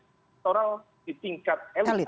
elektoral di tingkat elit